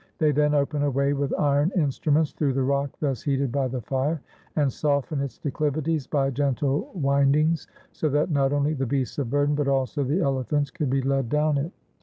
They then open a way with iron in struments through the rock thus heated by the fire, and soften its declivities by gentle windings, so that not only the beasts of burden, but also the elephants could be led down it.